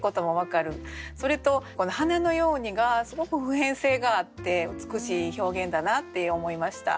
それとこの「花のように」がすごく普遍性があって美しい表現だなって思いました。